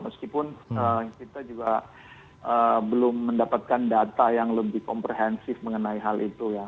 meskipun kita juga belum mendapatkan data yang lebih komprehensif mengenai hal itu ya